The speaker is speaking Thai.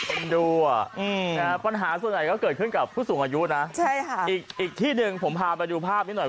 อืมปัญหาส่วนใหญ่ก็เกิดขึ้นกับผู้สูงอายุนะใช่ค่ะอีกอีกที่หนึ่งผมพาไปดูภาพนิดหน่อย